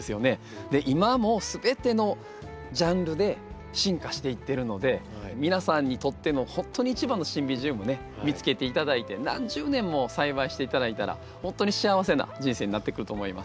今も全てのジャンルで進化していってるので皆さんにとってのほんとに一番のシンビジウムね見つけて頂いて何十年も栽培して頂いたらほんとに幸せな人生になってくると思います。